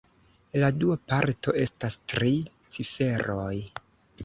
La dua parto estas tri ciferoj.